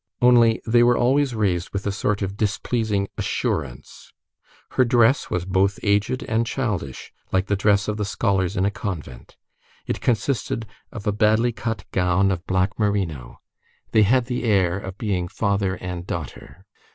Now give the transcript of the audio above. Only, they were always raised with a sort of displeasing assurance. Her dress was both aged and childish, like the dress of the scholars in a convent; it consisted of a badly cut gown of black merino. They had the air of being father and daughter.